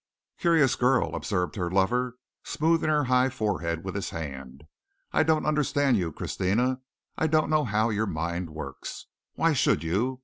"Curious girl," observed her lover, smoothing her high forehead with his hand. "I don't understand you, Christina. I don't know how your mind works. Why should you?